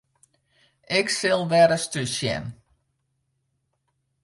Ik sil wer ris thús sjen.